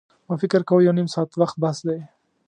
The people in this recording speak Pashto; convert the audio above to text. ما فکر کاوه یو نیم ساعت وخت بس دی.